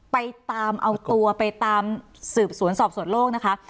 ไปตามเอาตัวไปตามสืบสวนสอบสวนโลกนะคะ